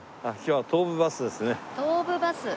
東武バス。